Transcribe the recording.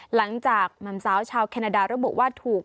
หลังจากหมำซ้าวชาวแคนาดาระบบว่าถูก